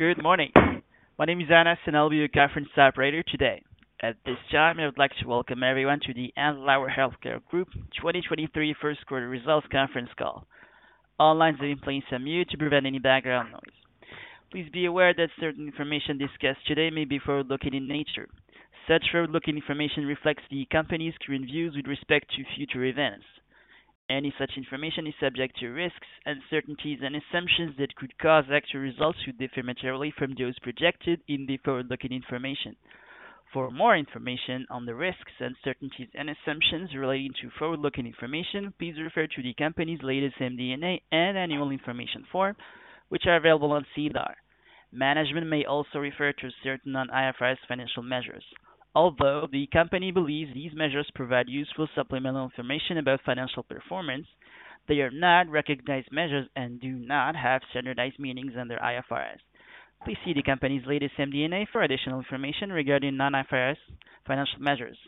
Good morning. My name is Anas. I'll be your conference operator today. At this time, I would like to welcome everyone to the Andlauer Healthcare Group 2023 First Quarter Results Conference Call. All lines are in place on mute to prevent any background noise. Please be aware that certain information discussed today may be forward-looking in nature. Such forward-looking information reflects the company's current views with respect to future events. Any such information is subject to risks, uncertainties, and assumptions that could cause actual results to differ materially from those projected in the forward-looking information. For more information on the risks, uncertainties, and assumptions relating to forward-looking information, please refer to the company's latest MD&A and annual information form, which are available on SEDAR. Management may also refer to certain non-IFRS financial measures. Although the company believes these measures provide useful supplemental information about financial performance, they are not recognized measures and do not have standardized meanings under IFRS. Please see the company's latest MD&A for additional information regarding non-IFRS financial measures,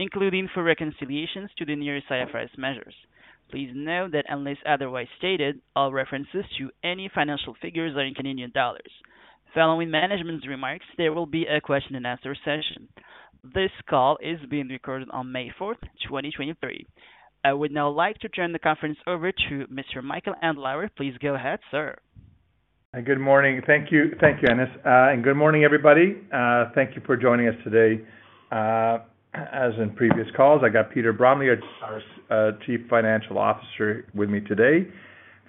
including for reconciliations to the nearest IFRS measures. Please note that unless otherwise stated, all references to any financial figures are in Canadian dollars. Following management's remarks, there will be a question and answer session. This call is being recorded on May 4th, 2023. I would now like to turn the conference over to Mr. Michael Andlauer. Please go ahead, sir. Good morning. Thank you. Thank you, Anas. Good morning, everybody. Thank you for joining us today. As in previous calls, I got Peter Bromley, our Chief Financial Officer, with me today.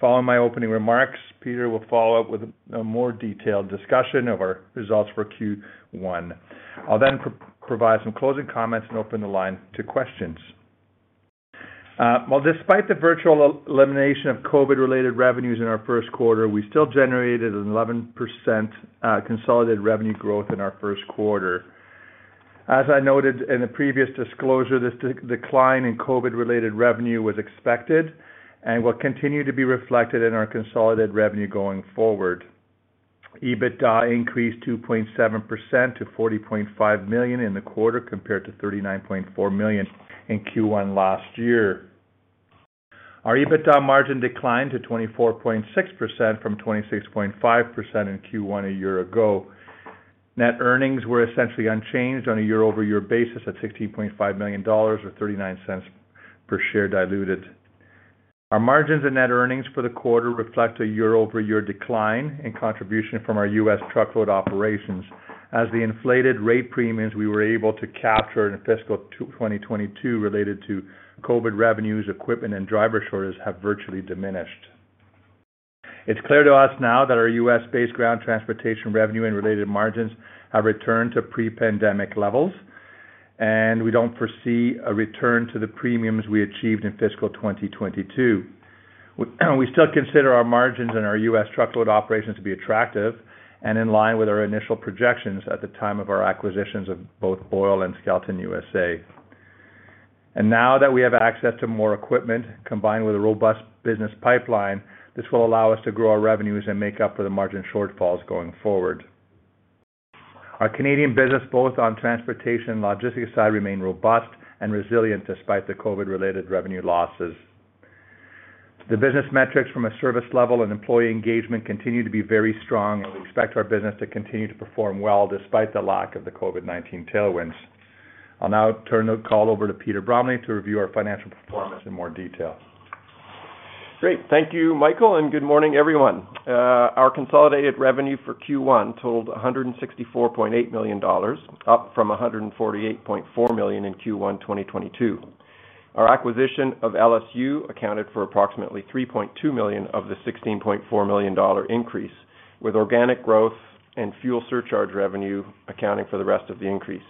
Following my opening remarks, Peter will follow up with a more detailed discussion of our results for Q1. I'll then provide some closing comments and open the line to questions. Well, despite the virtual elimination of COVID-related revenues in our first quarter, we still generated an 11% consolidated revenue growth in our first quarter. As I noted in the previous disclosure, this decline in COVID-related revenue was expected and will continue to be reflected in our consolidated revenue going forward. EBITDA increased 2.7% to 40.5 million in the quarter, compared to 39.4 million in Q1 last year. Our EBITDA margin declined to 24.6% from 26.5% in Q1 a year ago. Net earnings were essentially unchanged on a year-over-year basis at 16.5 million dollars, or 0.39 per share diluted. Our margins and net earnings for the quarter reflect a year-over-year decline in contribution from our U.S. truckload operations as the inflated rate premiums we were able to capture in fiscal 2022 related to COVID revenues, equipment, and driver shortages have virtually diminished. It's clear to us now that our U.S.-based ground transportation revenue and related margins have returned to pre-pandemic levels, and we don't foresee a return to the premiums we achieved in fiscal 2022. We still consider our margins in our U.S. truckload operations to be attractive and in line with our initial projections at the time of our acquisitions of both Boyle and Skelton USA. Now that we have access to more equipment, combined with a robust business pipeline, this will allow us to grow our revenues and make up for the margin shortfalls going forward. Our Canadian business, both on transportation and logistics side, remain robust and resilient despite the COVID-related revenue losses. The business metrics from a service level and employee engagement continue to be very strong, and we expect our business to continue to perform well despite the lack of the COVID-19 tailwinds. I'll now turn the call over to Peter Bromley to review our financial performance in more detail. Great. Thank you, Michael, good morning, everyone. Our consolidated revenue for Q1 totaled 164.8 million dollars, up from 148.4 million in Q1 2022. Our acquisition of LSU accounted for approximately 3.2 million of the 16.4 million dollar increase, with organic growth and fuel surcharge revenue accounting for the rest of the increase.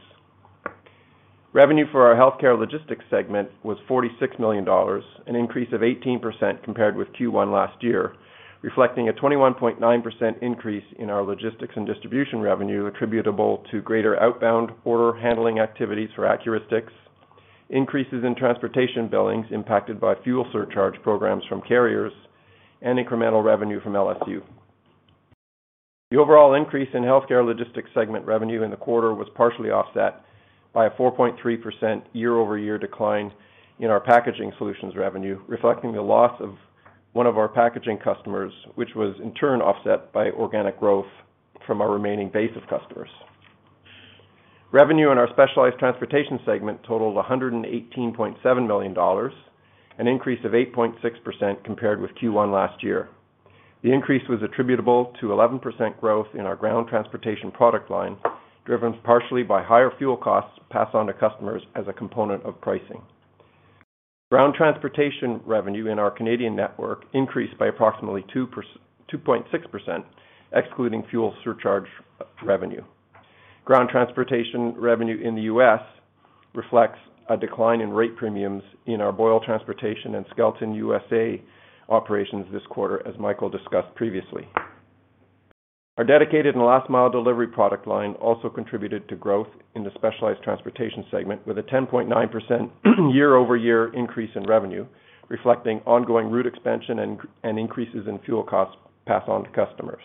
Revenue for our healthcare logistics segment was 46 million dollars, an increase of 18% compared with Q1 last year, reflecting a 21.9% increase in our logistics and distribution revenue attributable to greater outbound order handling activities for Accuristix, increases in transportation billings impacted by fuel surcharge programs from carriers, and incremental revenue from LSU. The overall increase in healthcare logistics segment revenue in the quarter was partially offset by a 4.3% year-over-year decline in our packaging solutions revenue, reflecting the loss of one of our packaging customers, which was in turn offset by organic growth from our remaining base of customers. Revenue in our specialized transportation segment totaled 118.7 million dollars, an increase of 8.6% compared with Q1 last year. The increase was attributable to 11% growth in our ground transportation product line, driven partially by higher fuel costs passed on to customers as a component of pricing. Ground transportation revenue in our Canadian network increased by approximately 2.6%, excluding fuel surcharge revenue. Ground transportation revenue in the U.S. reflects a decline in rate premiums in our Boyle Transportation and Skelton USA operations this quarter, as Michael discussed previously. Our dedicated and last mile delivery product line also contributed to growth in the specialized transportation segment with a 10.9% year-over-year increase in revenue, reflecting ongoing route expansion and increases in fuel costs passed on to customers.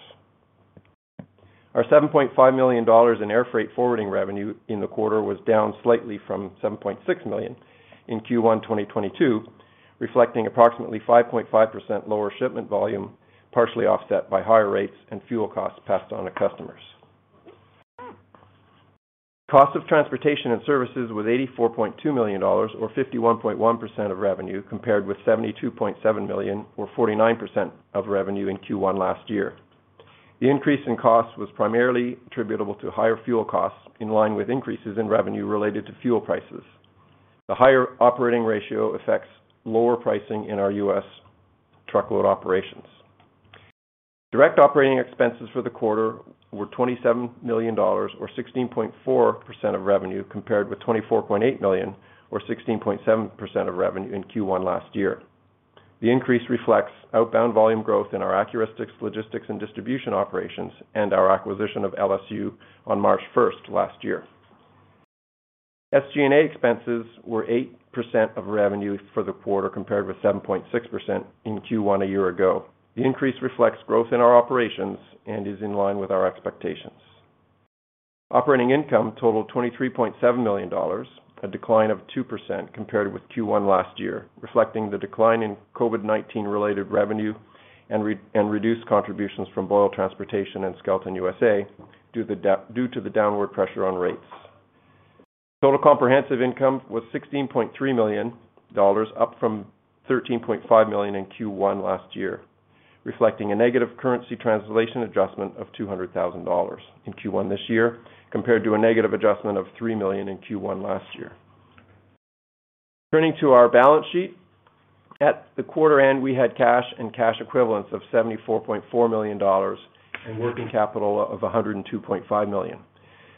Our 7.5 million dollars in air freight forwarding revenue in the quarter was down slightly from 7.6 million in Q1 2022. Reflecting approximately 5.5% lower shipment volume, partially offset by higher rates and fuel costs passed on to customers. Cost of transportation and services was 84.2 million dollars or 51.1% of revenue compared with 72.7 million or 49% of revenue in Q1 last year. The increase in costs was primarily attributable to higher fuel costs in line with increases in revenue related to fuel prices. The higher operating ratio affects lower pricing in our U.S. truckload operations. Direct operating expenses for the quarter were 27 million dollars or 16.4% of revenue compared with 24.8 million or 16.7% of revenue in Q1 last year. The increase reflects outbound volume growth in our Accuristix logistics and distribution operations and our acquisition of LSU on March first last year. SG&A expenses were 8% of revenue for the quarter, compared with 7.6% in Q1 a year ago. The increase reflects growth in our operations and is in line with our expectations. Operating income totaled 23.7 million dollars, a decline of 2% compared with Q1 last year, reflecting the decline in COVID-19 related revenue and reduced contributions from Boyle Transportation and Skelton USA due to the downward pressure on rates. Total comprehensive income was 16.3 million dollars, up from 13.5 million in Q1 last year, reflecting a negative currency translation adjustment of 200,000 dollars in Q1 this year compared to a negative adjustment of 3 million in Q1 last year. Turning to our balance sheet. At the quarter end, we had cash and cash equivalents of 74.4 million dollars and working capital of 102.5 million.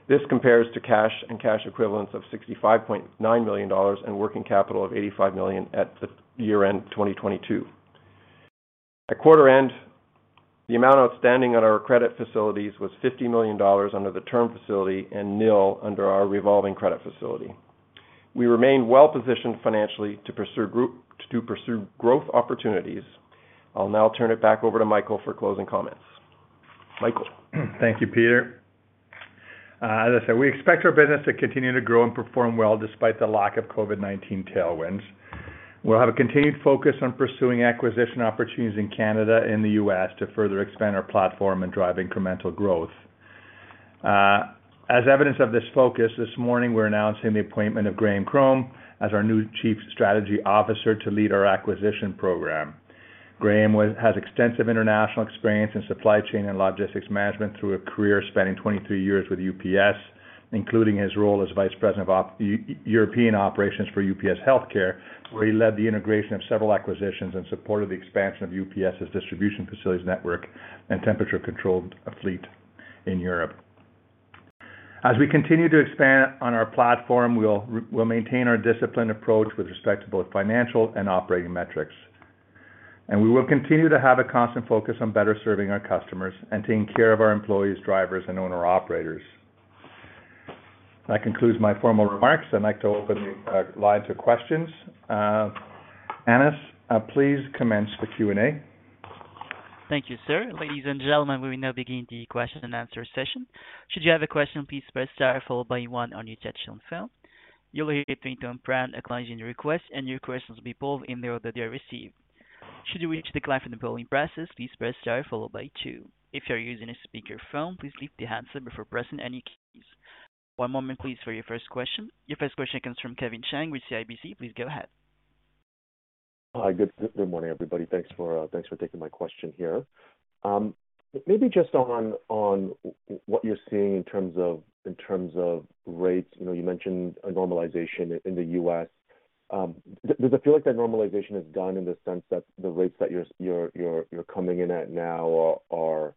This compares to cash and cash equivalents of 65.9 million dollars and working capital of 85 million at the year-end 2022. At quarter end, the amount outstanding on our credit facilities was 50 million dollars under the term facility and nil under our revolving credit facility. We remain well-positioned financially to pursue growth opportunities. I'll now turn it back over to Michael for closing comments. Michael? Thank you, Peter. As I said, we expect our business to continue to grow and perform well despite the lack of COVID-19 tailwinds. We'll have a continued focus on pursuing acquisition opportunities in Canada and the U.S. to further expand our platform and drive incremental growth. As evidence of this focus, this morning we're announcing the appointment of Graham Cromb as our new Chief Strategy Officer to lead our acquisition program. Graham has extensive international experience in supply chain and logistics management through a career spanning 23 years with UPS, including his role as Vice President of European Operations for UPS Healthcare, where he led the integration of several acquisitions and supported the expansion of UPS's distribution facilities network and temperature-controlled fleet in Europe. As we continue to expand on our platform, we'll maintain our disciplined approach with respect to both financial and operating metrics. We will continue to have a constant focus on better serving our customers and taking care of our employees, drivers, and owner-operators. That concludes my formal remarks. I'd like to open the line to questions. Anas, please commence the Q&A. Thank you, sir. Ladies and gentlemen, we will now begin the question and answer session. Should you have a question, please press Star followed by one on your touchtone phone. You'll hear a twinge tone prompt acknowledging your request, and your question will be pulled in the order they are received. Should you wish to decline from the polling process, please press Star followed by two. If you're using a speakerphone, please lift the handset before pressing any keys. One moment please for your first question. Your first question comes from Kevin Chiang with CIBC. Please go ahead. Hi, good morning, everybody. Thanks for, thanks for taking my question here. Maybe just on what you're seeing in terms of rates. You know, you mentioned a normalization in the U.S. Does it feel like that normalization is done in the sense that the rates that you're coming in at now are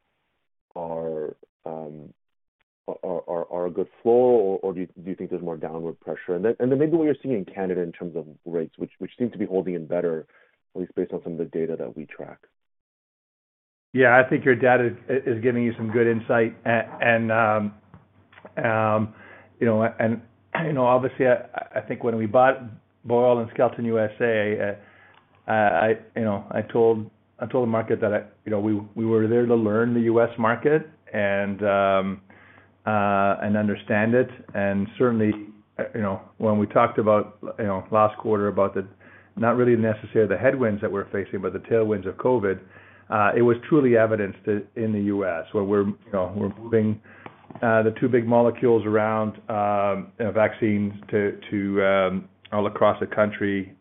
a good flow, or do you think there's more downward pressure? Then maybe what you're seeing in Canada in terms of rates, which seem to be holding in better, at least based on some of the data that we track. Yeah. I think your data is giving you some good insight. You know, and you know, obviously, I think when we bought Boyle and Skelton USA, I, you know, I told the market that I, you know, we were there to learn the U.S. market and understand it. Certainly, you know, when we talked about, you know, last quarter about the not really necessarily the headwinds that we're facing, but the tailwinds of COVID, it was truly evidenced in the U.S., where we're moving, you know, the two big molecules around, you know, vaccines to all across the country.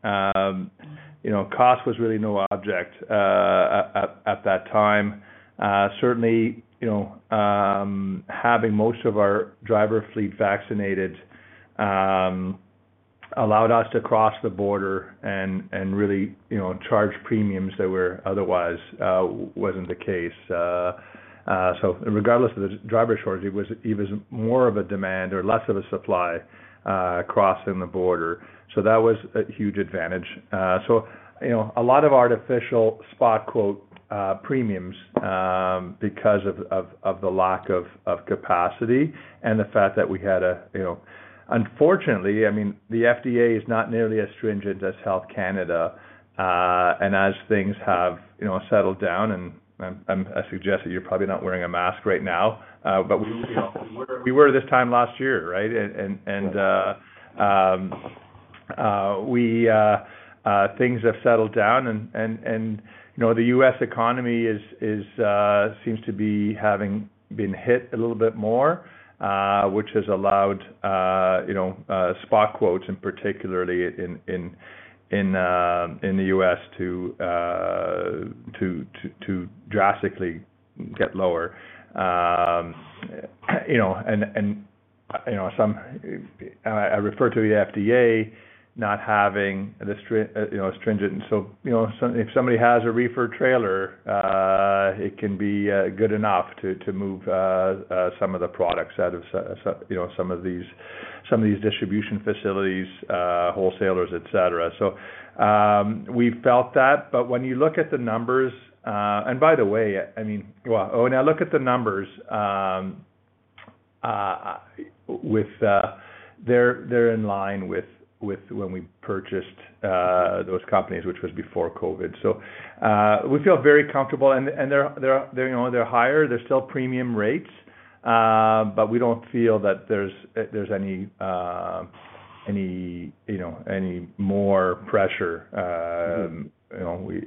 You know, cost was really no object at that time. Certainly, you know, having most of our driver fleet vaccinated, allowed us to cross the border and really, you know, charge premiums that were otherwise, wasn't the case. Regardless of the driver shortage, it was more of a demand or less of a supply, crossing the border. That was a huge advantage. You know, a lot of artificial spot quote premiums, because of the lack of capacity and the fact that we had a, you know... Unfortunately, I mean, the FDA is not nearly as stringent as Health Canada. As things have, you know, settled down and, I suggest that you're probably not wearing a mask right now. We, you know, we were this time last year, right? We, things have settled down, you know, the U.S. economy seems to be having been hit a little bit more, which has allowed, you know, spot quotes, and particularly in the U.S. to drastically get lower. You know, you know, and I refer to the FDA not having the stringent. You know, so if somebody has a reefer trailer, it can be good enough to move some of the products out of you know, some of these, some of these distribution facilities, wholesalers, etcetera. We felt that. When you look at the numbers. By the way, I mean, well, when I look at the numbers, with, they're in line with when we purchased those companies, which was before COVID. We feel very comfortable. They're, you know, they're higher, they're still premium rates, but we don't feel that there's any, you know, any more pressure. You know, we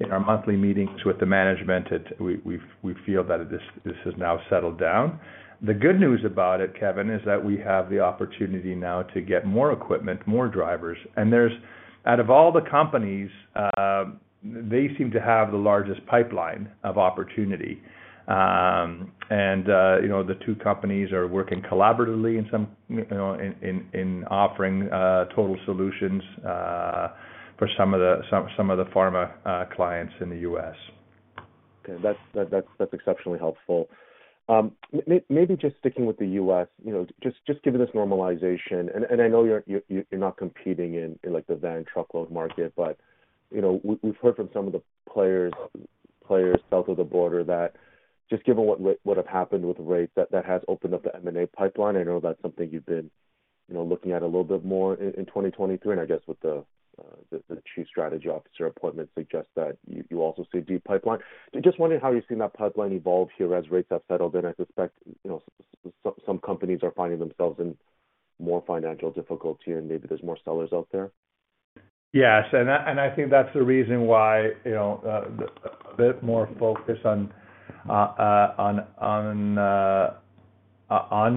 in our monthly meetings with the management, we feel that this has now settled down. The good news about it, Kevin, is that we have the opportunity now to get more equipment, more drivers. There's out of all the companies, they seem to have the largest pipeline of opportunity. You know, the two companies are working collaboratively, you know, in offering total solutions for some of the pharma clients in the U.S. Okay. That's exceptionally helpful. Maybe just sticking with the US, you know, just given this normalization, and I know you're not competing in like the van truckload market. But, you know, we've heard from some of the players south of the border that just given what have happened with rates, that has opened up the M&A pipeline. I know that's something you've been, you know, looking at a little bit more in 2023, and I guess with the Chief Strategy Officer appointment suggests that you also see deep pipeline. So just wondering how you've seen that pipeline evolve here as rates have settled in. I suspect, you know, some companies are finding themselves in more financial difficulty, and maybe there's more sellers out there. Yes. I think that's the reason why, you know, a bit more focus on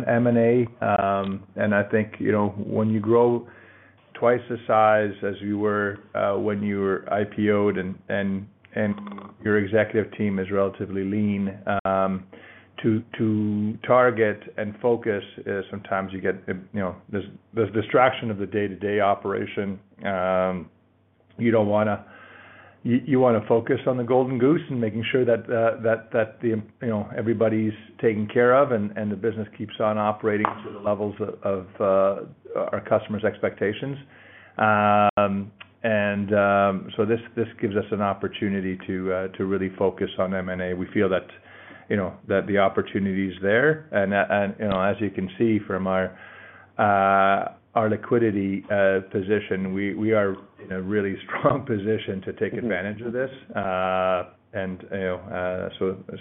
M&A. I think, you know, when you grow twice the size as you were, when you were IPO'd and your executive team is relatively lean, to target and focus, sometimes you get, you know, there's distraction of the day-to-day operation. You don't wanna. You wanna focus on the golden goose and making sure that the, you know, everybody's taken care of and the business keeps on operating to the levels of our customers' expectations. So this gives us an opportunity to really focus on M&A. We feel that, you know, that the opportunity is there. You know, as you can see from our liquidity position, we are in a really strong position to take advantage of this. You know,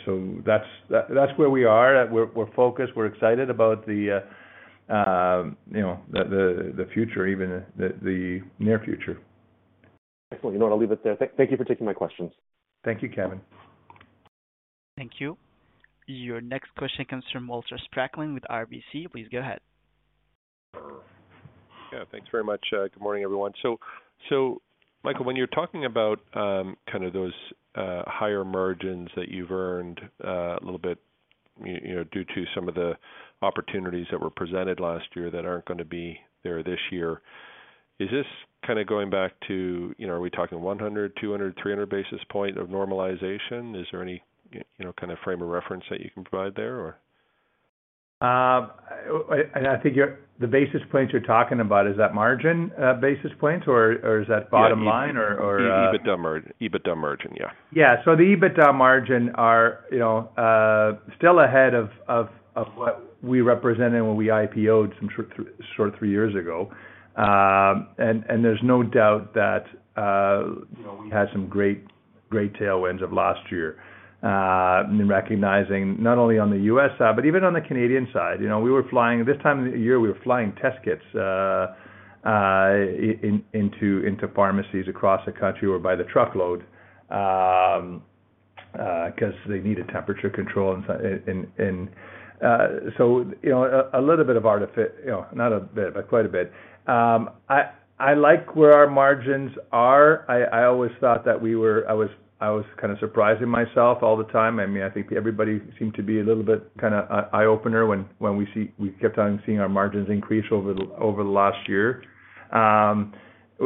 so that's where we are. We're focused. We're excited about the, you know, the future, even the near future. Excellent. You know what? I'll leave it there. Thank you for taking my questions. Thank you, Kevin. Thank you. Your next question comes from Walter Spracklin with RBC. Please go ahead. Thanks very much. Good morning, everyone. Michael, when you're talking about, kind of those, higher margins that you've earned, a little bit, you know, due to some of the opportunities that were presented last year that aren't gonna be there this year, is this kinda going back to, you know, are we talking 100, 200, 300 basis point of normalization? Is there any, you know, kind of frame of reference that you can provide there or? I think the basis points you're talking about, is that margin, basis points or is that bottom line or? EBITDA margin, yeah. The EBITDA margin are, you know, still ahead of what we represented when we IPO'd some short three years ago. There's no doubt that, you know, we had some great tailwinds of last year, in recognizing not only on the U.S. side, but even on the Canadian side. You know, this time of the year, we were flying test kits into pharmacies across the country or by the truckload, 'cause they needed temperature control. You know, a little bit of, you know, not a bit, but quite a bit. I like where our margins are. I always thought that I was kinda surprising myself all the time. I mean, I think everybody seemed to be a little bit kinda eye-opener when we kept on seeing our margins increase over the last year.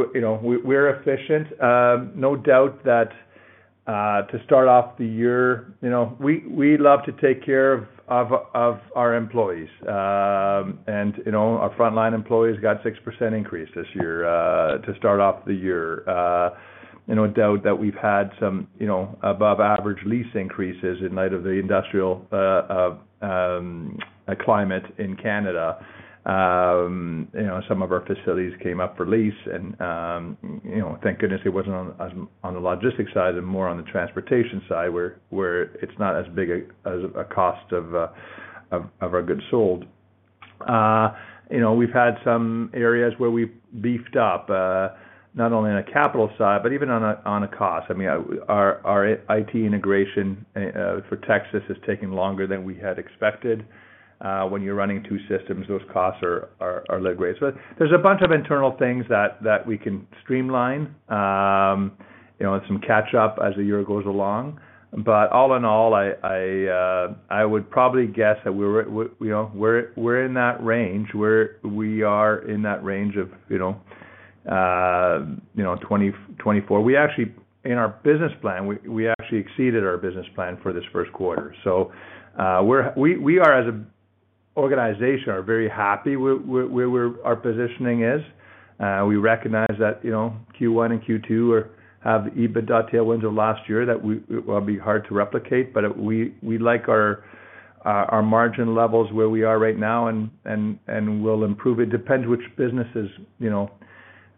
You know, we're efficient. No doubt that to start off the year, you know, we love to take care of our employees. You know, our frontline employees got 6% increase this year to start off the year. No doubt that we've had some, you know, above average lease increases in light of the industrial climate in Canada. You know, some of our facilities came up for lease and, you know, thank goodness it wasn't on the logistics side and more on the transportation side where it's not as big a cost of our goods sold. You know, we've had some areas where we've beefed up, not only on a capital side, but even on a cost. I mean, our IT integration for Texas is taking longer than we had expected. When you're running two systems, those costs are litigated. There's a bunch of internal things that we can streamline, you know, and some catch up as the year goes along. All in all, I would probably guess that we're, you know, we're in that range, where we are in that range of, you know, 24. We actually in our business plan, we actually exceeded our business plan for this first quarter. We are as an organization, are very happy where our positioning is. We recognize that, you know, Q1 and Q2 have the EBITDA tailwinds of last year that will be hard to replicate. We like our margin levels where we are right now, and we'll improve. It depends which businesses, you know,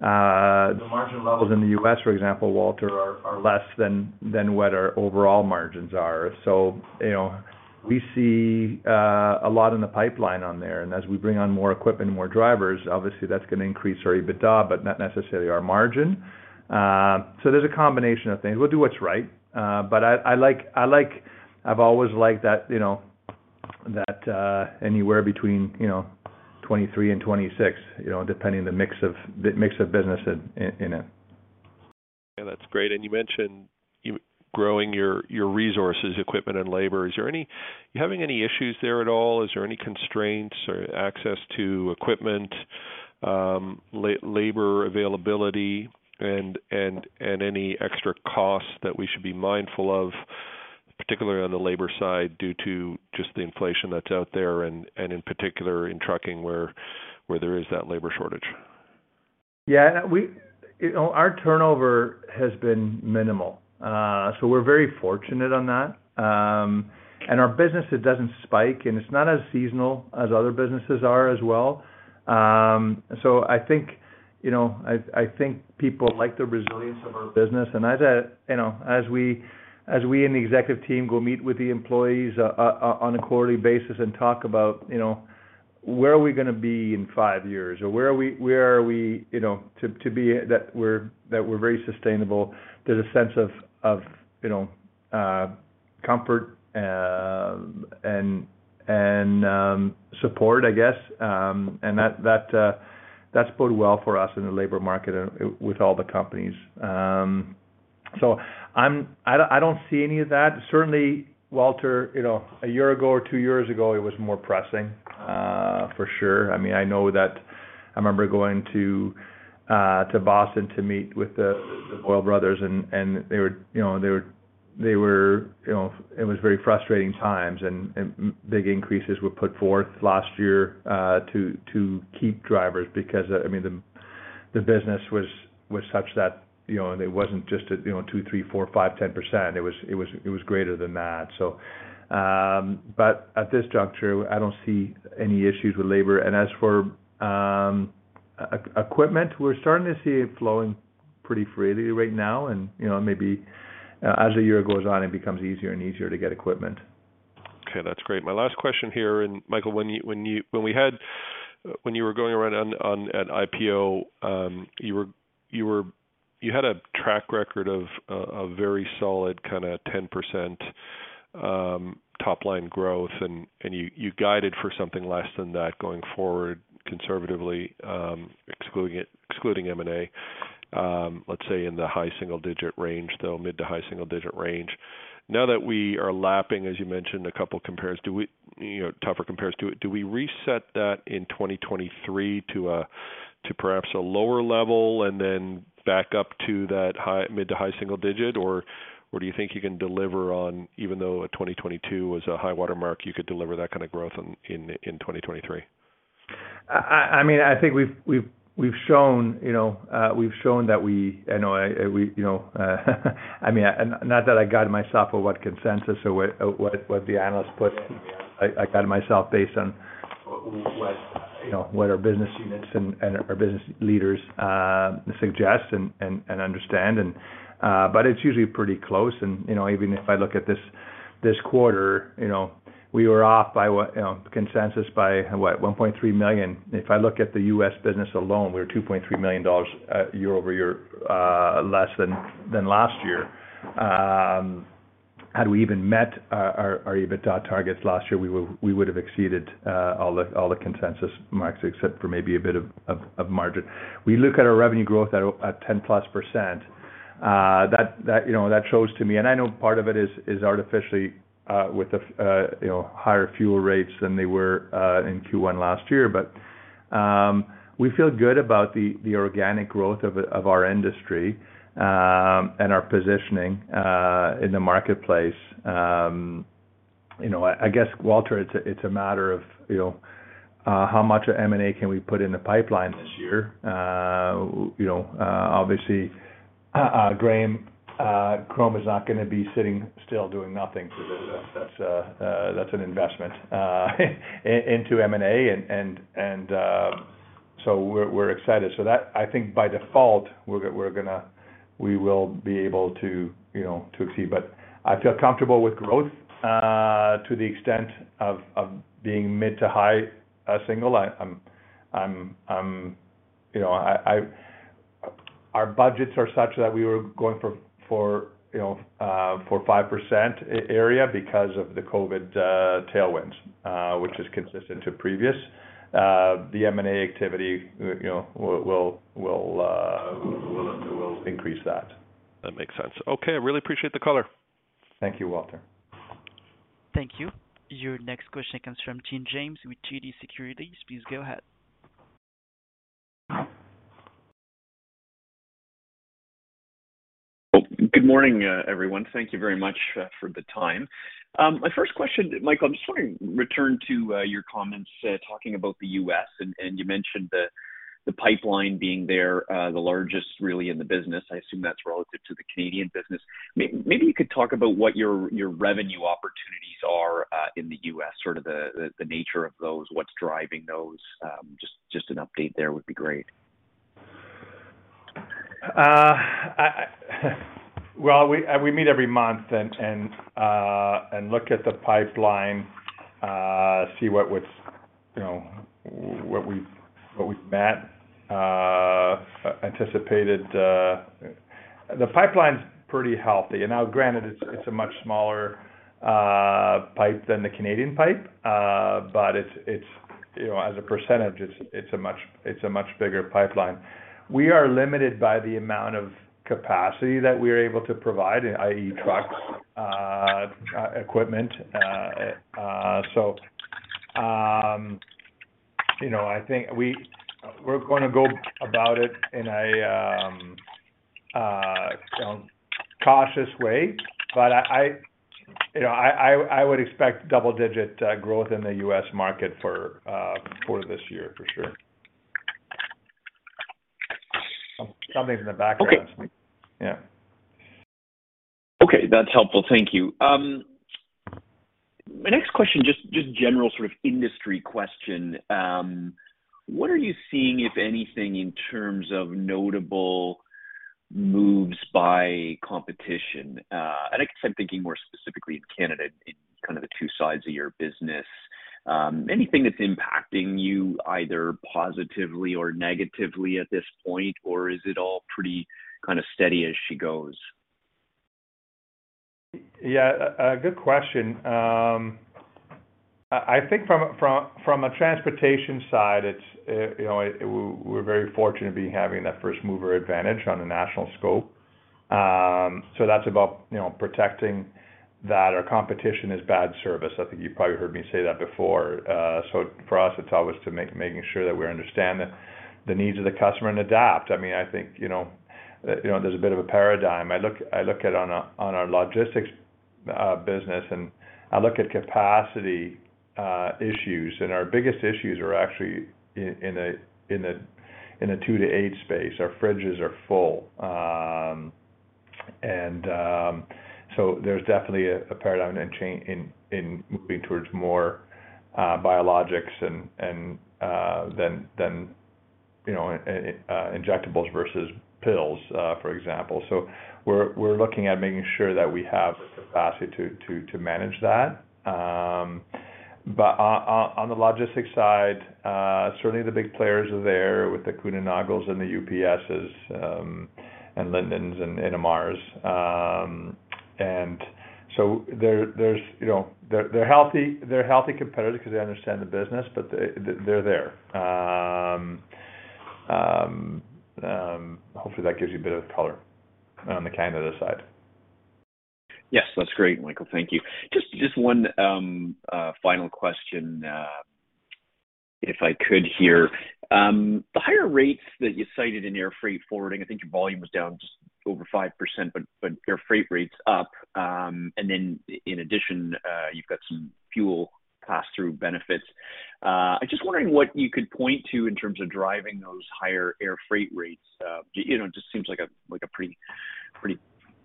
the margin levels in the U.S., for example, Walter, are less than what our overall margins are. You know, we see a lot in the pipeline on there, and as we bring on more equipment and more drivers, obviously that's gonna increase our EBITDA, but not necessarily our margin. There's a combination of things. We'll do what's right. I like, I've always liked that, you know, that anywhere between, you know, 23% and 26%, you know, depending on the mix of business in it. Yeah, that's great. You mentioned you growing your resources, equipment and labor. You having any issues there at all? Is there any constraints or access to equipment, labor availability and any extra costs that we should be mindful of, particularly on the labor side, due to just the inflation that's out there and in particular in trucking where there is that labor shortage? Yeah. You know, our turnover has been minimal. We're very fortunate on that. Our business, it doesn't spike, and it's not as seasonal as other businesses are as well. I think, you know, I think people like the resilience of our business. As a, you know, as we in the executive team go meet with the employees on a quarterly basis and talk about, you know, where are we gonna be in 5 years or where are we, you know, to be that we're very sustainable. There's a sense of, you know, comfort, and support, I guess. That's bode well for us in the labor market and with all the companies. I don't see any of that. Certainly, Walter, you know, a year ago or two years ago, it was more pressing, for sure. I mean, I know that I remember going to Boston to meet with the Boyle brothers. You know, it was very frustrating times, and big increases were put forth last year to keep drivers because, I mean, the business was such that, you know, and it wasn't just a, you know, 2, 3, 4, 5, 10%. It was greater than that. At this juncture, I don't see any issues with labor. As for e-equipment, we're starting to see it flowing pretty freely right now. You know, maybe as the year goes on, it becomes easier and easier to get equipment. Okay, that's great. My last question here, Michael, when you were going around on an IPO, you had a track record of a very solid kinda 10% top-line growth. You guided for something less than that going forward, conservatively, excluding M&A, let's say in the high single-digit range, though mid-to-high single-digit range. Now that we are lapping, as you mentioned, a couple compares, you know, tougher compares, do we reset that in 2023 to a, to perhaps a lower level and then back up to that mid-to-high single-digit? Do you think you can deliver on, even though a 2022 was a high watermark, you could deliver that kind of growth in 2023? I mean, I think we've shown, you know, we've shown that we, you know, we, you know, I mean, not that I guide myself on what consensus or what the analysts put. I guide myself based on what, you know, what our business units and our business leaders suggest and understand and. It's usually pretty close. You know, even if I look at this quarter, you know, we were off by what, you know, consensus by, what, 1.3 million. If I look at the U.S. business alone, we were 2.3 million dollars year-over-year less than last year. Had we even met our EBITDA targets last year, we would have exceeded all the consensus marks except for maybe a bit of margin. We look at our revenue growth at 10 plus %. That, you know, that shows to me. I know part of it is artificially, with the, you know, higher fuel rates than they were in Q1 last year. We feel good about the organic growth of our industry and our positioning in the marketplace. You know, I guess, Walter, it's a matter of, you know, how much of M&A can we put in the pipeline this year. You know, obviously, Graham Cromb is not gonna be sitting still doing nothing for this. That's an investment into M&A, and we're excited. That I think by default, we will be able to, you know, to exceed. I feel comfortable with growth to the extent of being mid to high single. You know, our budgets are such that we were going for, you know, for 5% area because of the COVID tailwinds, which is consistent to previous. The M&A activity, you know, will increase that. That makes sense. Okay. I really appreciate the color. Thank you, Walter. Thank you. Your next question comes from Tim James with TD Securities. Please go ahead. Good morning, everyone. Thank you very much for the time. My first question, Michael, I'm just wanna return to your comments talking about the U.S., and you mentioned the pipeline being there, the largest really in the business. I assume that's relative to the Canadian business. Maybe you could talk about what your revenue opportunities are in the U.S., sort of the nature of those, what's driving those. An update there would be great. Well, we meet every month and look at the pipeline, see what was, you know, what we've met, anticipated. The pipeline's pretty healthy. Now granted it's a much smaller pipe than the Canadian pipe. It's, you know, as a percentage, it's a much bigger pipeline. We are limited by the amount of capacity that we are able to provide, i.e., truck, equipment. You know, I think we're gonna go about it in a, you know, cautious way. I, you know, I would expect double-digit growth in the US market for this year, for sure. Something's in the background. Okay. Yeah. Okay, that's helpful. Thank you. My next question, just general sort of industry question. What are you seeing, if anything, in terms of notable moves by competition? I guess I'm thinking more specifically in Canada, in kind of the two sides of your business. Anything that's impacting you either positively or negatively at this point, or is it all pretty kinda steady as she goes? Yeah, a good question. I think from a transportation side, it's, you know, we're very fortunate to be having that first mover advantage on a national scope. That's about, you know, protecting that. Our competition is bad service. I think you've probably heard me say that before. For us, it's always making sure that we understand the needs of the customer and adapt. I mean, I think, you know, there's a bit of a paradigm. I look at on our logistics business, and I look at capacity issues, and our biggest issues are actually in a 2 degrees Celsius to 8 degrees Celsius space. Our fridges are full. There's definitely a paradigm and change in moving towards more biologics and, you know, injectables versus pills, for example. We're looking at making sure that we have the capacity to manage that. On the logistics side, certainly the big players are there with the Kuehne + Nagel and the UPSs, Lindens, and Omars. There's, you know, they're healthy competitors 'cause they understand the business, but they're there. Hopefully, that gives you a bit of color on the Canada side. Yes, that's great, Michael. Thank you. Just one final question, if I could here. The higher rates that you cited in air freight forwarding, I think your volume was down just over 5%, but air freight rate's up. In addition, you've got some fuel pass-through benefits. I'm just wondering what you could point to in terms of driving those higher air freight rates. You know, it just seems like a pretty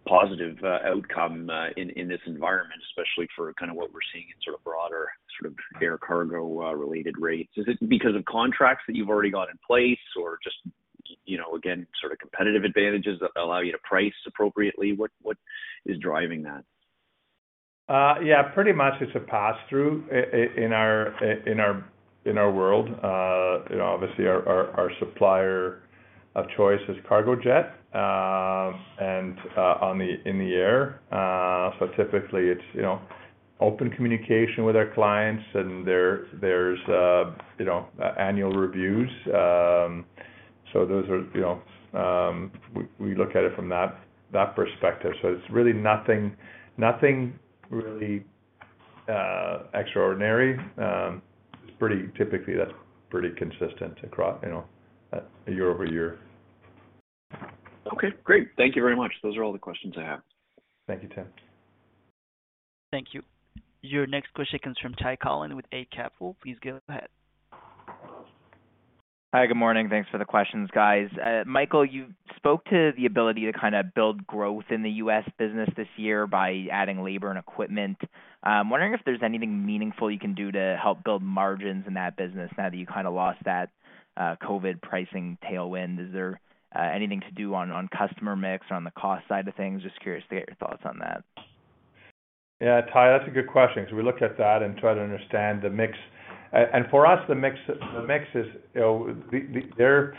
positive outcome in this environment, especially for kinda what we're seeing in sort of broader air cargo related rates. Is it because of contracts that you've already got in place or just, you know, again, sort of competitive advantages that allow you to price appropriately? What is driving that? Yeah, pretty much it's a pass-through in our world. You know, obviously our supplier of choice is Cargojet, and in the air. Typically it's, you know, open communication with our clients and there's, you know, annual reviews. Those are, you know, we look at it from that perspective. It's really nothing really extraordinary. Typically, that's pretty consistent across, you know, year-over-year. Okay, great. Thank you very much. Those are all the questions I have. Thank you, Tim. Thank you. Your next question comes from Ty Collin with Eight Capital. Please go ahead. Hi, good morning. Thanks for the questions, guys. Michael, you spoke to the ability to kinda build growth in the U.S. business this year by adding labor and equipment. I'm wondering if there's anything meaningful you can do to help build margins in that business now that you kinda lost that COVID pricing tailwind. Is there anything to do on customer mix or on the cost side of things? Just curious to get your thoughts on that. Yeah. Ty, that's a good question 'cause we looked at that and tried to understand the mix. For us, the mix, the mix is, you know, they're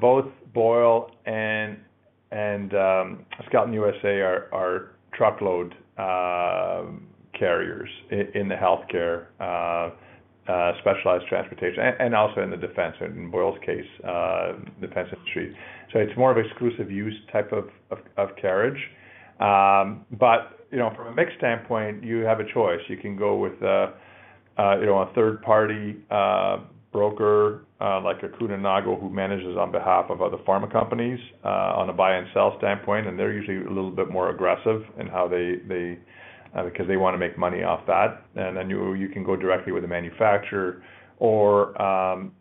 both Boyle and Skelton USA are truckload carriers in the healthcare specialized transportation and also in the defense, in Boyle's case, defense industry. So it's more of exclusive use type of carriage. You know, from a mix standpoint, you have a choice. You can go with a, you know, a third party broker, like a Kuehne + Nagel who manages on behalf of other pharma companies, on a buy and sell standpoint, and they're usually a little bit more aggressive in how they because they wanna make money off that. You, you can go directly with the manufacturer or,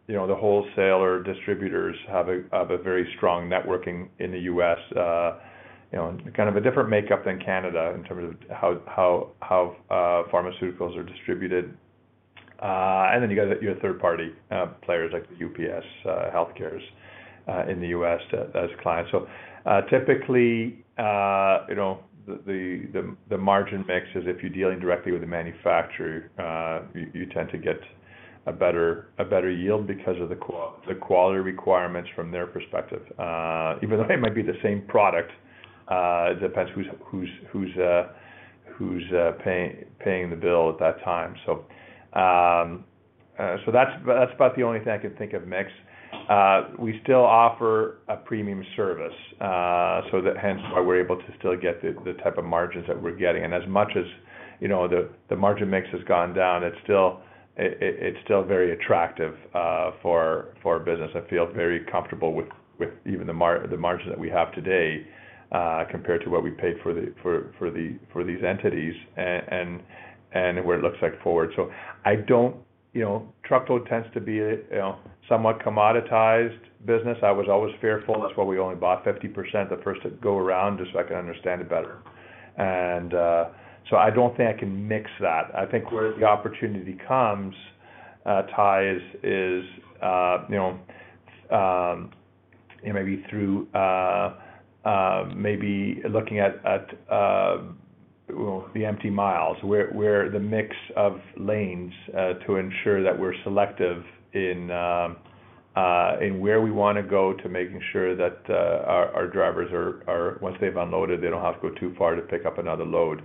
you know, the wholesaler distributors have a very strong networking in the U.S., you know, kind of a different makeup than Canada in terms of how pharmaceuticals are distributed. You got your third-party players like the UPS Healthcare in the U.S. as clients. Typically, you know, the margin mix is if you're dealing directly with the manufacturer, you tend to get a better yield because of the quality requirements from their perspective. Even though it might be the same product, it depends who's paying the bill at that time. That's about the only thing I can think of mix. We still offer a premium service, so that hence why we're able to still get the type of margins that we're getting. As much as, you know, the margin mix has gone down, it's still very attractive for business. I feel very comfortable with even the margin that we have today, compared to what we paid for the, for these entities and what it looks like forward. I don't... You know, truckload tends to be, you know, somewhat commoditized business. I was always fearful, and that's why we only bought 50% the first go around, just so I can understand it better. I don't think I can mix that. I think where the opportunity comes, Ty, is, you know, you know, maybe through, maybe looking at, you know, the empty miles where the mix of lanes, to ensure that we're selective in where we wanna go to making sure that our drivers are once they've unloaded, they don't have to go too far to pick up another load.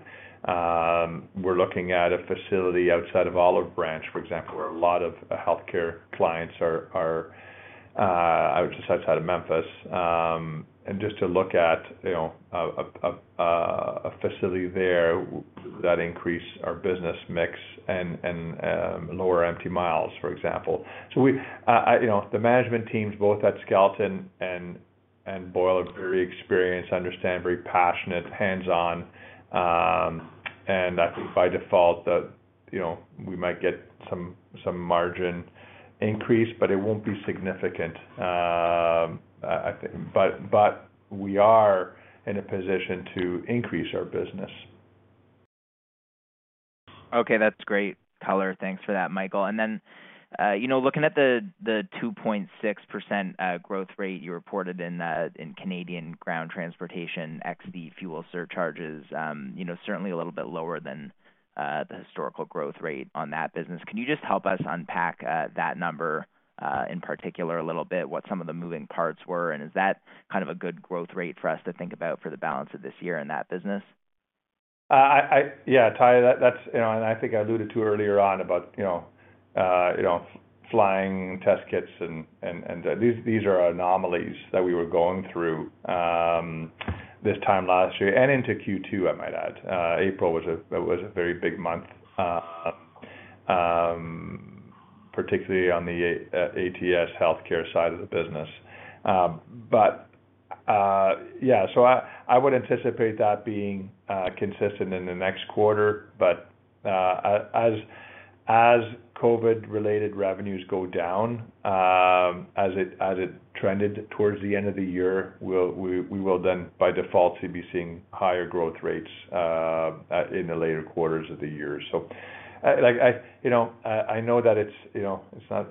We're looking at a facility outside of Olive Branch, for example, where a lot of healthcare clients are, just outside of Memphis, and just to look at, you know, a facility there that increase our business mix and, lower empty miles, for example. We. You know, the management teams both at Skelton and Boyle are very experienced, understand, very passionate, hands-on, and I think by default that, you know, we might get some margin increase, but it won't be significant, I think. We are in a position to increase our business. Okay, that's great color. Thanks for that, Michael. You know, looking at the 2.6% growth rate you reported in Canadian ground transportation, XD fuel surcharges, you know, certainly a little bit lower than the historical growth rate on that business. Can you just help us unpack that number in particular a little bit, what some of the moving parts were, and is that kind of a good growth rate for us to think about for the balance of this year in that business? Yeah, Ty, that's, you know, and I think I alluded to earlier on about, you know, flying test kits and these are anomalies that we were going through this time last year and into Q2, I might add. April was a very big month particularly on the ATS Health Care side of the business. Yeah. I would anticipate that being consistent in the next quarter. As COVID-related revenues go down, as it trended towards the end of the year, we will then by default be seeing higher growth rates in the later quarters of the year. Like I, you know, I know that it's, you know, it's not,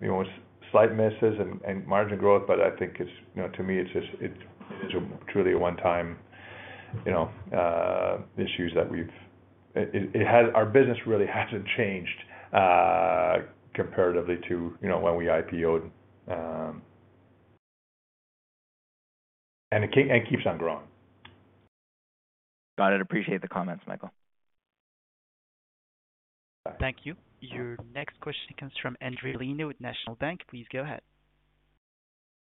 you know, slight misses and margin growth, but I think it's, you know, to me it's just, it is truly a one-time, you know, issues that we've. Our business really hasn't changed, comparatively to, you know, when we IPO'd, and it keeps on growing. Got it. Appreciate the comments, Michael. Bye. Thank you. Your next question comes from Endri Leno with National Bank. Please go ahead.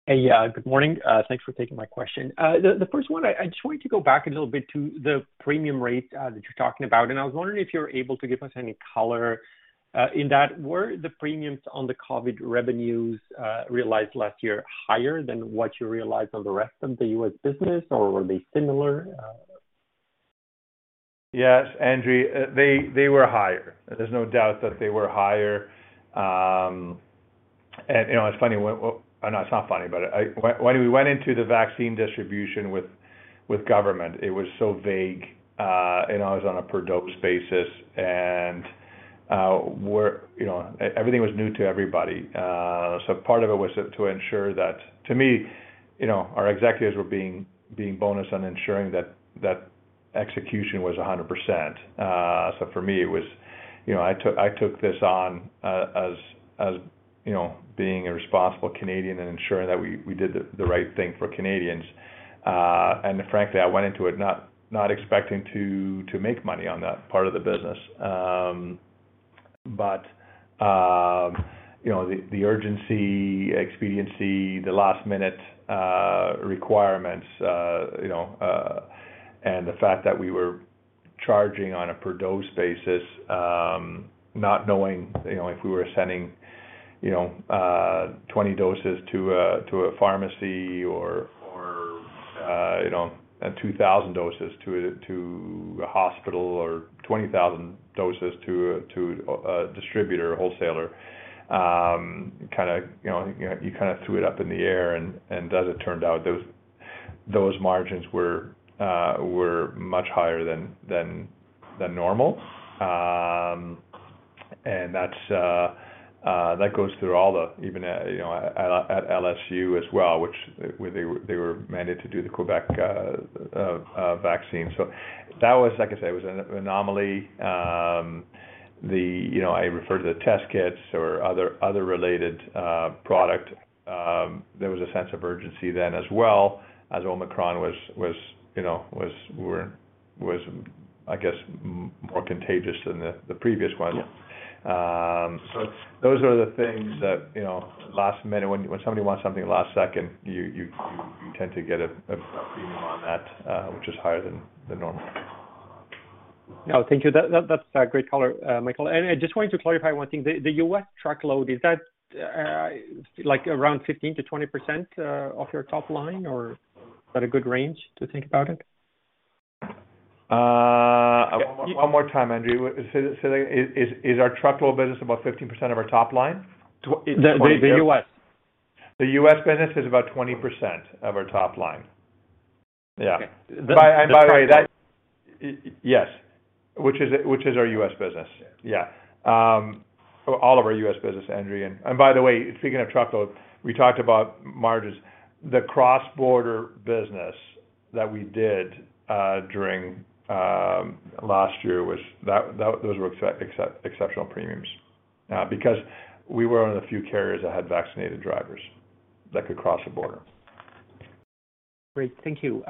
Hey. Yeah, good morning. Thanks for taking my question. The first one, I just want you to go back a little to the premium rate that you're talking about. I was wondering if you're able to give us any color in that were the premiums on the COVID revenues realized last year higher than what you realized on the rest of the U.S. business, or were they similar? Yes, Endri, they were higher. There's no doubt that they were higher. You know, it's funny, no, it's not funny, but when we went into the vaccine distribution with government, it was so vague and always on a per dose basis. You know, everything was new to everybody. So part of it was to ensure that... To me, you know, our executives were being bonused on ensuring that that execution was 100%. So for me, it was, you know, I took this on as, you know, being a responsible Canadian and ensuring that we did the right thing for Canadians. Frankly, I went into it not expecting to make money on that part of the business. You know, the urgency, expediency, the last-minute requirements, you know, and the fact that we were charging on a per dose basis, not knowing, you know, if we were sending, you know, 20 doses to a pharmacy or, you know, 2,000 doses to a hospital or 20,000 doses to a distributor or wholesaler, kinda, you know, you kinda threw it up in the air. As it turned out, those margins were much higher than normal. That goes through even, you know, at LSU as well, where they were mandated to do the Quebec vaccine. That was, like I say, it was an anomaly. The, you know, I refer to the test kits or other related product. There was a sense of urgency then as well, as Omicron was, you know, was, I guess, more contagious than the previous one. Yeah. Those are the things that, you know, last minute, when somebody wants something last second, you tend to get a premium on that, which is higher than normal. No, thank you. That's a great color, Michael. I just wanted to clarify one thing. The U.S. truckload, is that like around 15%-20% of your top line or is that a good range to think about it? Uh- One- One more time, Endri. Say it, Is our truckload business about 15% of our top line? The U.S. The U.S. business is about 20% of our top line. Yeah. Okay. By the way. The truckload. Yes. Which is, which is our U.S. business. Yeah. All of our U.S. business, Endri. By the way, speaking of truckload, we talked about margins. The cross-border business that we did during last year was that those were exceptional premiums because we were one of the few carriers that had vaccinated drivers that could cross the border. Great. Thank you.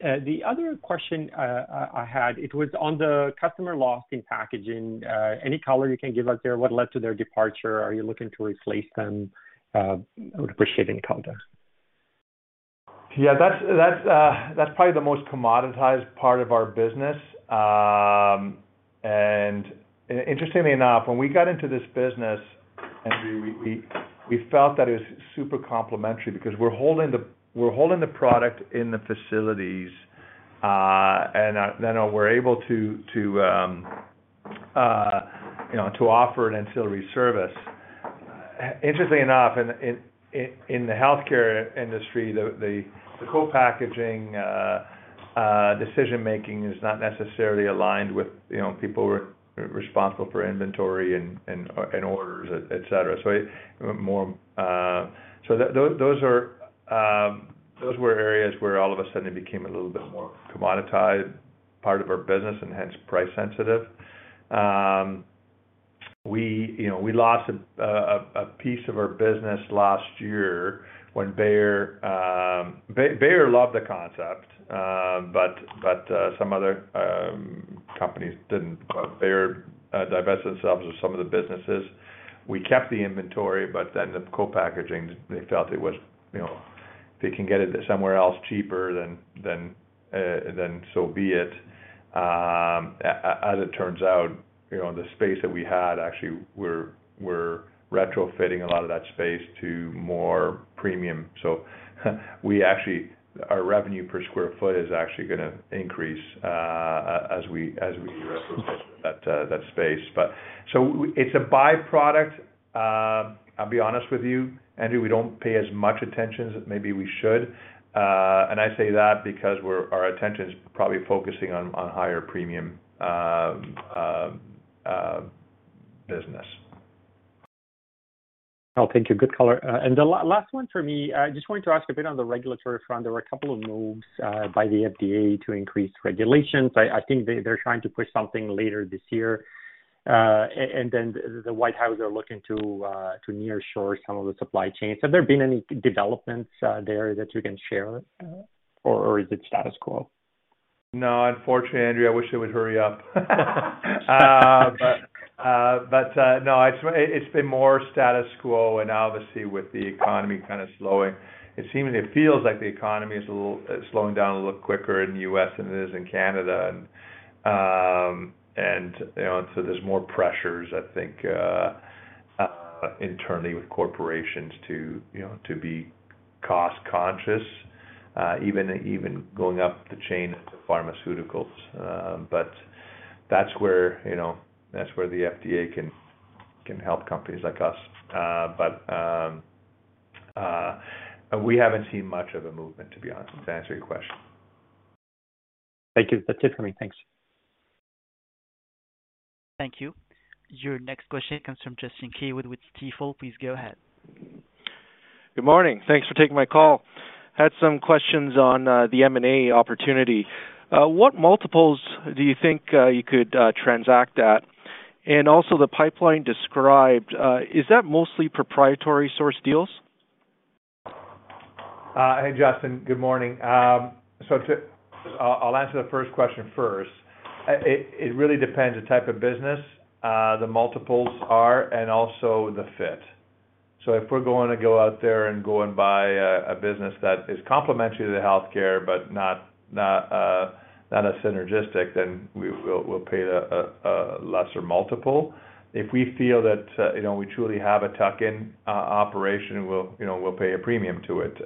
The other question I had, it was on the customer loss in packaging. Any color you can give us there? What led to their departure? Are you looking to replace them? I would appreciate any color. Yeah, that's probably the most commoditized part of our business. Interestingly enough, when we got into this business, Endri, we felt that it was super complementary because we're holding the product in the facilities, and then we're able to, you know, to offer an ancillary service. Interestingly enough, in the healthcare industry, the co-packaging decision-making is not necessarily aligned with, you know, people responsible for inventory and orders, et cetera. Those were areas where all of a sudden it became a little bit more commoditized part of our business and hence price sensitive. We, you know, we lost a piece of our business last year when Bayer. Bayer loved the concept, some other companies didn't. Bayer divested themselves of some of the businesses. We kept the inventory, the co-packaging, they felt it was, you know, they can get it somewhere else cheaper than so be it. As it turns out, you know, the space that we had, actually, we're retrofitting a lot of that space to more premium. We actually Our revenue per square foot is actually gonna increase as we retrofit that space. It's a by-product. I'll be honest with you, Endri, we don't pay as much attention as maybe we should. I say that because our attention is probably focusing on higher premium business. Oh, thank you. Good color. The last one for me, just wanted to ask a bit on the regulatory front. There were a couple of moves by the FDA to increase regulations. I think they're trying to push something later this year. The White House are looking to nearshore some of the supply chains. Have there been any developments there that you can share, or is it status quo? No, unfortunately, Endri, I wish they would hurry up. No, it's been more status quo. Obviously, with the economy kinda slowing, it seems, it feels like the economy is slowing down a little quicker in the U.S. than it is in Canada. You know, so there's more pressures, I think, internally with corporations to be cost conscious, even going up the chain to pharmaceuticals. That's where, you know, that's where the FDA can help companies like us. We haven't seen much of a movement, to be honest, to answer your question. Thank you. That's it for me. Thanks. Thank you. Your next question comes from Justin Keywood with Stifel. Please go ahead. Good morning. Thanks for taking my call. Had some questions on the M&A opportunity. What multiples do you think you could transact at? The pipeline described, is that mostly proprietary source deals? Hey, Justin. Good morning. I'll answer the first question first. It really depends the type of business, the multiples are and also the fit. If we're going to go out there and go and buy a business that is complementary to the healthcare but not as synergistic, then we'll pay a lesser multiple. If we feel that, you know, we truly have a tuck-in operation, we'll, you know, we'll pay a premium to it.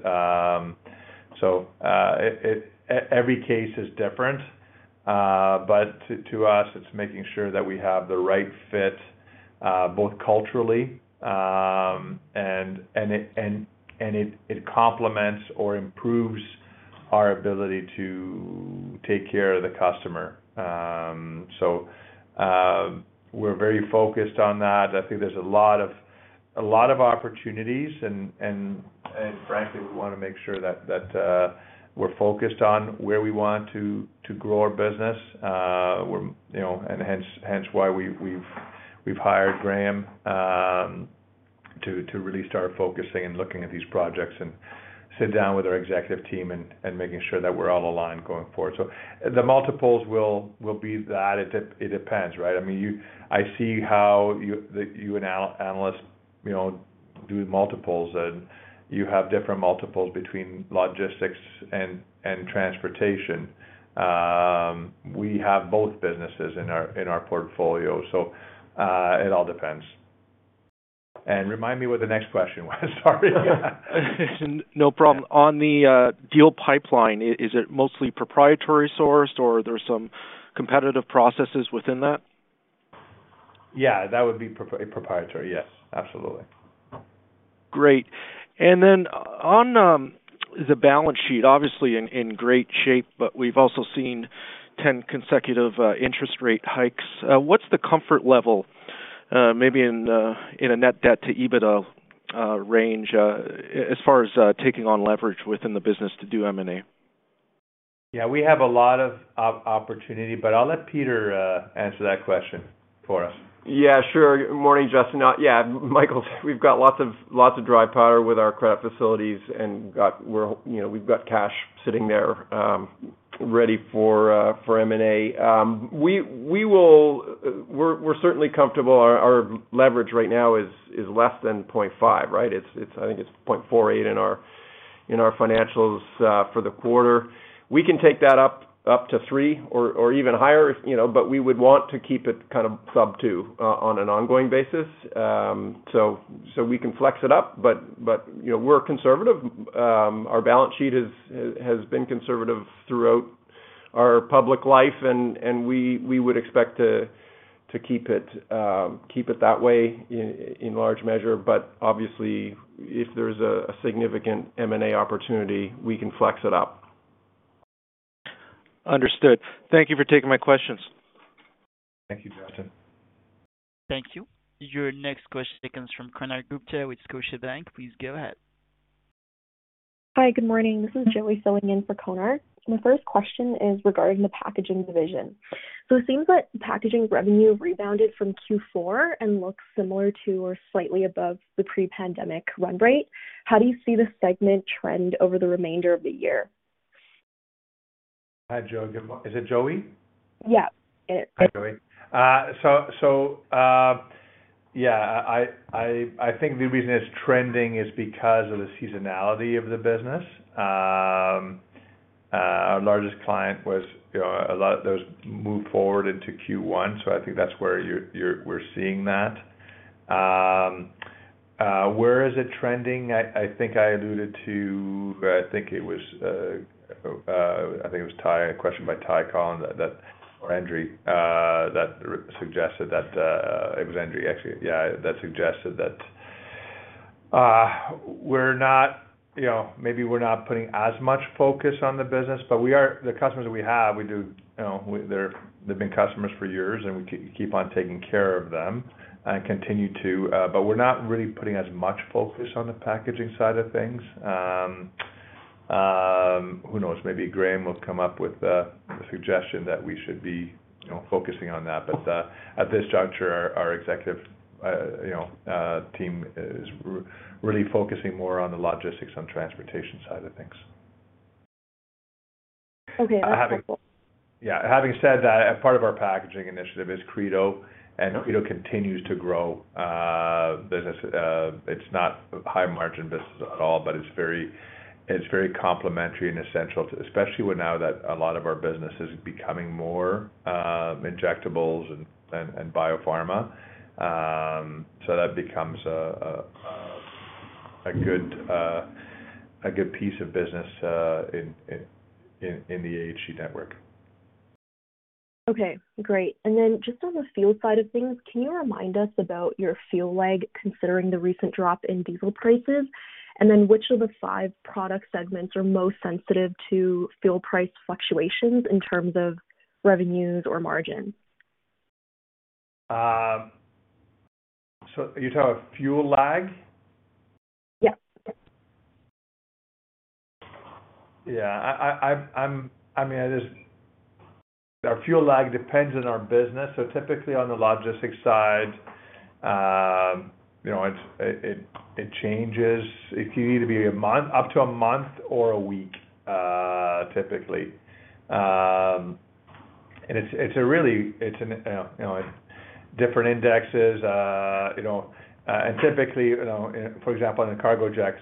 It, every case is different. To us, it's making sure that we have the right fit, both culturally, and it, and it complements or improves our ability to take care of the customer. We're very focused on that. I think there's a lot of opportunities and frankly, we want to make sure that we're focused on where we want to grow our business. Hence why we've hired Graham to really start focusing and looking at these projects and sit down with our executive team and making sure that we're all aligned going forward. The multiples will be that it depends, right? I mean, I see how that you and analysts, you know, do multiples, and you have different multiples between logistics and transportation. We have both businesses in our portfolio, so it all depends. Remind me what the next question was. Sorry. No problem. On the deal pipeline, is it mostly proprietary-sourced or there's some competitive processes within that? Yeah, that would be proprietary. Yes, absolutely. Great. Then on the balance sheet, obviously in great shape, but we've also seen 10 consecutive interest rate hikes. What's the comfort level maybe in a net debt to EBITDA range as far as taking on leverage within the business to do M&A? Yeah, we have a lot of opportunity, but I'll let Peter answer that question for us. Sure. Morning, Justin. Michael, we've got lots of dry powder with our credit facilities and we're, you know, we've got cash sitting there, ready for M&A. We're certainly comfortable. Our leverage right now is less than 0.5, right? It's I think it's 0.48 in our financials for the quarter. We can take that up to three or even higher, you know, but we would want to keep it kind of sub two on an ongoing basis. We can flex it up, but, you know, we're conservative. Our balance sheet has been conservative throughout our public life, we would expect to keep it that way in large measure. Obviously, if there's a significant M&A opportunity, we can flex it up. Understood. Thank you for taking my questions. Thank you, Justin. Thank you. Your next question comes from Konark Gupta with Scotiabank. Please go ahead. Hi, good morning. This is Joey filling in for Konark. My first question is regarding the packaging division. It seems that packaging revenue rebounded from Q4 and looks similar to or slightly above the pre-pandemic run rate. How do you see the segment trend over the remainder of the year? Hi, Joe. Is it Joey? Yeah. Hi, Joey. Yeah, I think the reason it's trending is because of the seasonality of the business. Our largest client was, you know, a lot of those moved forward into Q1, so I think that's where you're seeing that. Where is it trending? I think I alluded to, I think it was, I think it was Ty, a question by Ty Collin that or Endri that suggested that. It was Endri, actually. Yeah. That suggested that, we're not, you know, maybe we're not putting as much focus on the business, but we are the customers that we have, we do, you know, they're they've been customers for years, and we keep on taking care of them and continue to, but we're not really putting as much focus on the packaging side of things. Who knows? Maybe Graham will come up with a suggestion that we should be, you know, focusing on that. At this juncture, our executive, you know, team is really focusing more on the logistics and transportation side of things. Okay. Yeah. Having said that, part of our packaging initiative is Credo, and Credo continues to grow. It's not high margin business at all, but it's very, it's very complementary and essential, especially with now that a lot of our business is becoming more, injectables and biopharma. So that becomes a good, a good piece of business, in the AHG network. Okay, great. Just on the fuel side of things, can you remind us about your fuel lag, considering the recent drop in diesel prices? Which of the five product segments are most sensitive to fuel price fluctuations in terms of revenues or margin? You're talking about fuel lag? Yeah. Yeah. I mean, I just... Our fuel lag depends on our business. Typically on the logistics side, you know, it changes. It can either be a month, up to a month or a week, typically. It's an, you know, different indexes, you know. Typically, you know, for example, in the Cargojet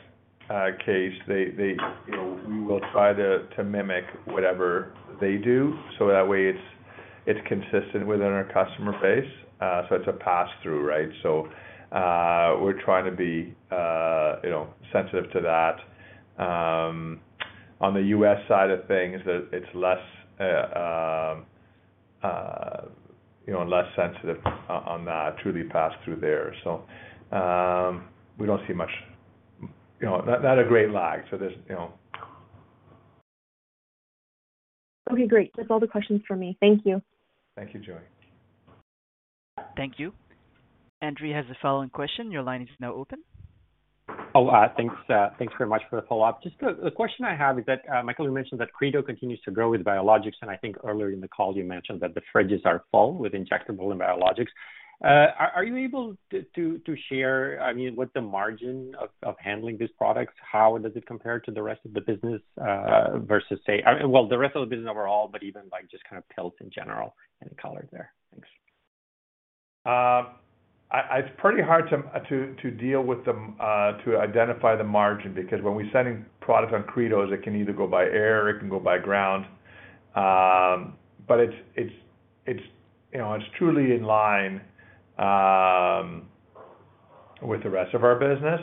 case, they, you know, we will try to mimic whatever they do, so that way it's consistent within our customer base. It's a pass-through, right? We're trying to be, you know, sensitive to that. On the US side of things, it's less, you know, less sensitive on that, truly pass-through there. We don't see much, you know, not a great lag. There's, you know. Okay, great. That's all the questions for me. Thank you. Thank you, Joey. Thank you. Endri has the following question. Your line is now open. Oh, thanks very much for the follow-up. Just the question I have is that, Michael, you mentioned that Credo continues to grow with Biologics, and I think earlier in the call you mentioned that the fridges are full with injectable and Biologics. Are you able to share, I mean, what the margin of handling these products? How does it compare to the rest of the business? Well, the rest of the business overall, but even, like, just kind of pills in general. Any color there? Thanks. I... It's pretty hard to deal with the, to identify the margin because when we're sending products on Credo, it can either go by air or it can go by ground. It's, you know, it's truly in line with the rest of our business.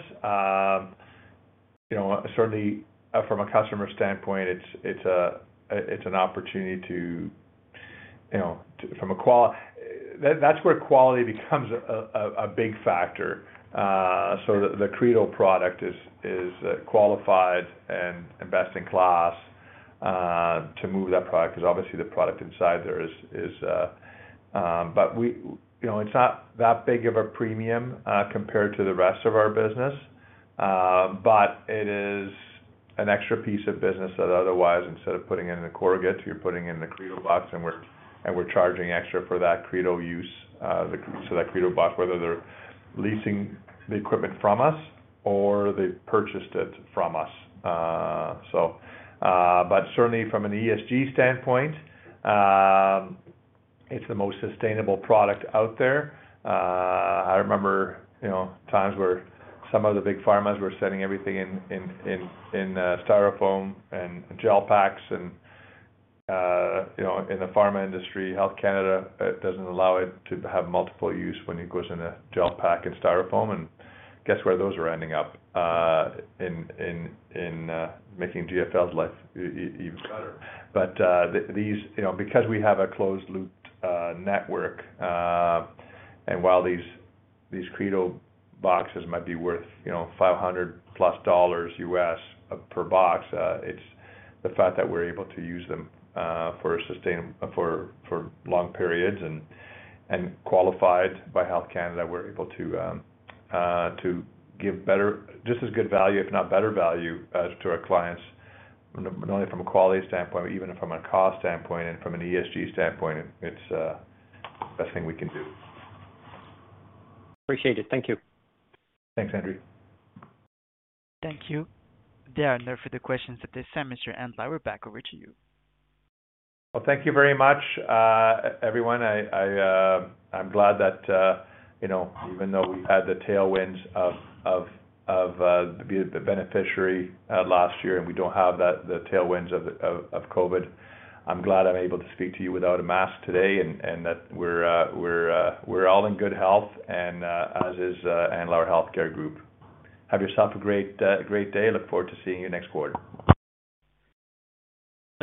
You know, certainly from a customer standpoint, it's a, it's an opportunity to, you know, from That's where quality becomes a big factor. The Credo product is qualified and best in class to move that product, 'cause obviously the product inside there is. You know, it's not that big of a premium compared to the rest of our business. It is an extra piece of business that otherwise, instead of putting it in a corrugate, you're putting it in the Credo box, and we're charging extra for that Credo use, so that Credo box, whether they're leasing the equipment from us or they purchased it from us. Certainly from an ESG standpoint, it's the most sustainable product out there. I remember, you know, times where some of the big pharma's were sending everything in Styrofoam and gel packs and, you know. In the pharma industry, Health Canada doesn't allow it to have multiple use when it goes in a gel pack and Styrofoam. Guess where those are ending up? In making GFL's life even better. you know, because we have a closed-looped network, and while these Credo boxes might be worth, you know, 500 plus dollars US per box, it's the fact that we're able to use them for long periods and qualified by Health Canada, we're able to give just as good value, if not better value as to our clients, not only from a quality standpoint, but even from a cost standpoint and from an ESG standpoint. It's best thing we can do. Appreciate it. Thank you. Thanks, Endri. Thank you. There are no further questions at this time. Mr. Andlauer, back over to you. Well, thank you very much, everyone. I'm glad that, you know, even though we've had the tailwinds of, be the beneficiary, last year, and we don't have that, the tailwinds of COVID, I'm glad I'm able to speak to you without a mask today and that we're, we're all in good health and, as is, Andlauer Healthcare Group. Have yourself a great day. Look forward to seeing you next quarter.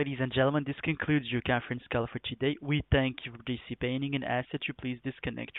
Ladies and gentlemen, this concludes your conference call for today. We thank you for participating and ask that you please disconnect your line.